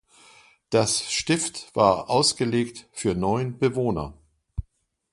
Das Stift war ausgelegt für neun Bewohner.